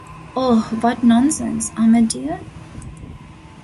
Oh, what nonsense, Ahmed dear!